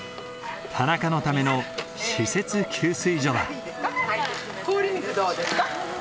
田中のための私設給水所だ。